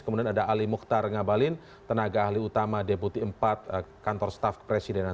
kemudian ada ali mukhtar ngabalin tenaga ahli utama deputi empat kantor staf kepresidenan